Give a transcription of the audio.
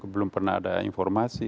belum pernah ada informasi